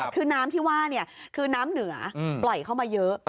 คือน้ำที่ว่าคือน้ำเหนือปล่อยเข้ามาเยอะ